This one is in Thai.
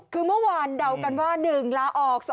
คือเมื่อวานเดากันว่า๑ลาออก